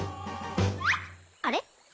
あれ？